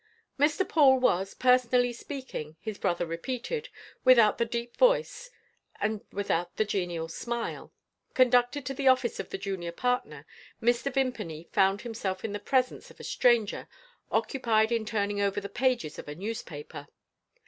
Mr. Paul was, personally speaking, his brother repeated without the deep voice, and without the genial smile. Conducted to the office of the junior partner, Mr. Vimpany found himself in the presence of a stranger, occupied in turning over the pages of a newspaper.